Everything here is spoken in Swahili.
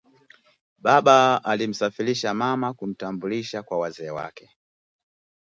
Baba alimsafirisha mama kumtambulisha kwa wazee wake